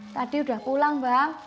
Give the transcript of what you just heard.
tadi udah pulang bang